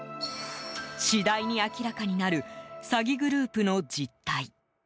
次第に明らかになる詐欺グループの実態。